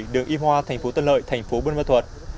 ba trăm hai mươi bảy đường y hoa tp tân lợi tp bùi mà thuật